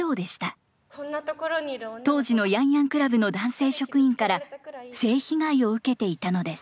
当時のヤンヤンクラブの男性職員から性被害を受けていたのです。